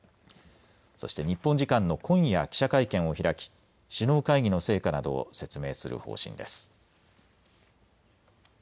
そして日本時間の今夜記者会見を開き、首脳会議の成果などを説明する方針です。